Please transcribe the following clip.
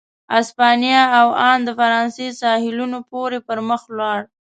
اسپانیا او ان د فرانسې ساحلونو پورې پر مخ ولاړ.